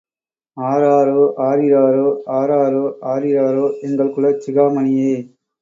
ஆராரோ ஆரிராரோ! ஆராரோ ஆரிராரோ! எங்கள் குலச் சிகாமணியே.